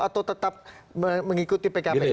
atau tetap mengikuti pkpu